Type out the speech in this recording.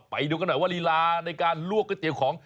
ไปดูกันหน่อยว่าลีลาในการลวกก๋วยเตี๋ยวของ